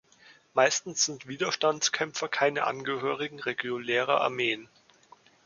Meistens sind Widerstandskämpfer keine Angehörige regulärer Armeen.